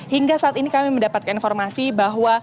hingga saat ini kami mendapatkan informasi bahwa